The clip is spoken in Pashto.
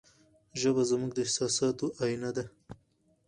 ژبه زموږ د احساساتو آینه ده.